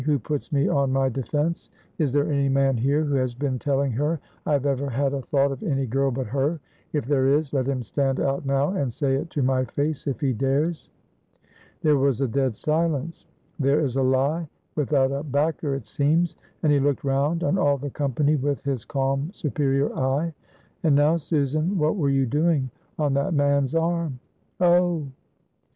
"Who puts me on my defense? Is there any man here who has been telling her I have ever had a thought of any girl but her? If there is, let him stand out now and say it to my face if he dares." There was a dead silence. "There is a lie without a backer, it seems;" and he looked round on all the company with his calm superior eye. "And now, Susan, what were you doing on that man's arm?" "Oh!"